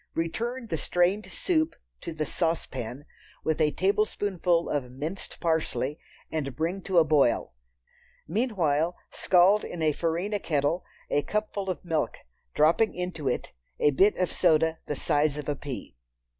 Return the strained soup to the saucepan, with a tablespoonful of minced parsley, and bring to a boil. Meanwhile, scald in a farina kettle a cupful of milk, dropping into it a bit of soda the size of a pea.